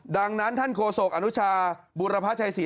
ดังนั้นท่านโคศกอนุชาบุรพชัยศรี